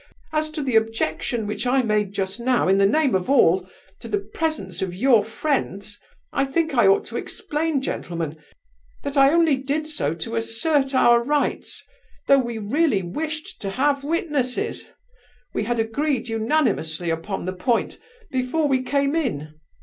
As to the objection which I made just now in the name of all, to the presence of your friends, I think I ought to explain, gentlemen, that I only did so to assert our rights, though we really wished to have witnesses; we had agreed unanimously upon the point before we came in.